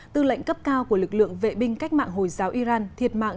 tư lệnh cấp cao của lực lượng vệ binh cách mạng hồi giáo iran thiệt mạng